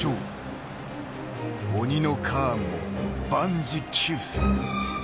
［鬼のカーンも万事休す］